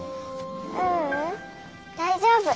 ううん大丈夫。